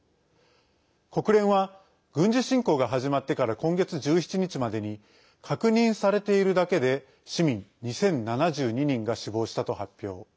国連は軍事侵攻が始まってから今月１７日までに確認されているだけで市民２０７２人が死亡したと発表。